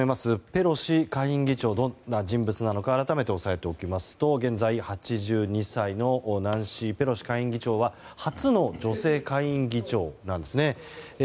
ペロシ下院議長がどんな人物なのか改めて押さえておきますと現在８２歳のナンシー・ペロシ下院議長は初の女性下院議長なんですね。